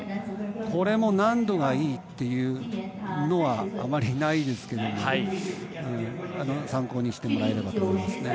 これも何度がいいというのはあまりないですけど参考にしてもらえればと思います。